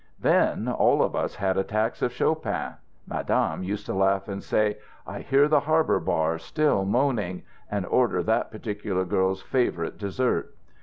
Then all of us had attacks of Chopin. Madame used to laugh and say, 'I hear the harbour bar still moaning,' and order that particular girl's favourite dessert.